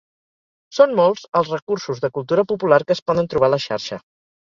Són molts els recursos de cultura popular que es poden trobar a la xarxa.